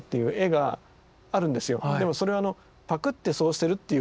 でもそれはパクってそうしてるっていうことで。